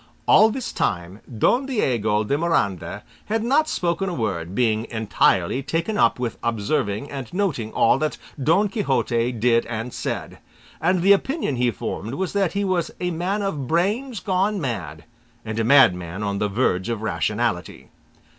All this time, Don Diego de Miranda had not spoken a word, being entirely taken up with observing and noting all that Don Quixote did and said, and the opinion he formed was that he was a man of brains gone mad, and a madman on the verge of rationality.